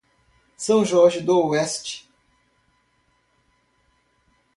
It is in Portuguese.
São Jorge d'Oeste